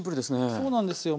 そうなんですよ